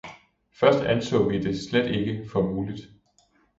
Først anså vi det slet ikke for muligt.